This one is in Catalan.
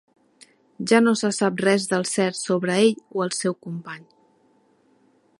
Ja no se sap res del cert sobre ell o el seu company.